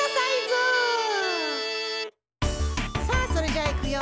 さあそれじゃあいくよ！